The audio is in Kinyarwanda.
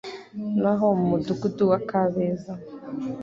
naho mu Mudugudu wa Kabeza